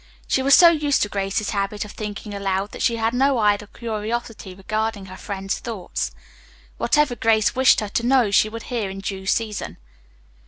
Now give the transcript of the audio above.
She was so used to Grace's habit of thinking aloud that she had no idle curiosity regarding her friend's thoughts. Whatever Grace wished her to know she would hear in due season.